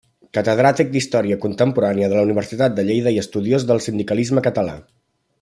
Catedràtic d'història contemporània de la Universitat de Lleida i estudiós del sindicalisme català.